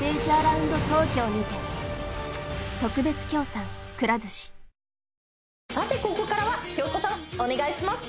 さてここからは京子さんお願いします！